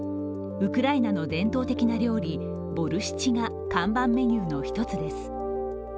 ウクライナの伝統的な料理、ボルシチが看板メニューの１つです。